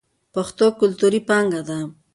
پښتو کلتوري پانګه ده.